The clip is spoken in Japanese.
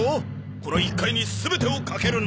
この１回に全てをかけるんだ！